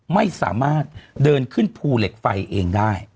ไม่สามารถเดินขึ้นภูเหล็กไฟเองได้